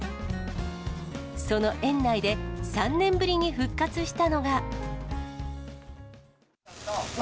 その園内で３年ぶりに復活したのが。